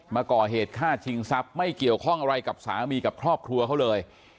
มาก่อเหตุฆ่าชิงทรัพย์ไม่เกี่ยวข้องอะไรกับสามีกับครอบครัวเขาเลย